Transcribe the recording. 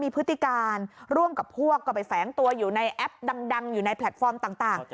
พฤติการร่วมกับพวกก็ไปแฝงตัวอยู่ในแอปดังอยู่ในแพลตฟอร์มต่าง